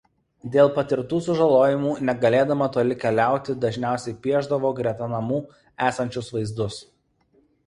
Dėl patirtų sužalojimų negalėdama toli keliauti dažniausiai piešdavo greta namų esančius vaizdus.